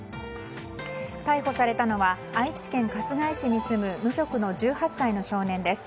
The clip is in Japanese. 逮捕されたのは愛知県春日井市に住む無職の１８歳の少年です。